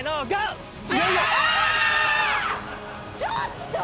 ちょっと。